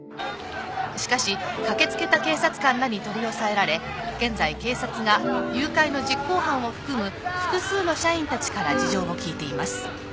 しかし駆け付けた警察官らに取り押さえられ現在警察が誘拐の実行犯を含む複数の社員たちから事情を聴いています。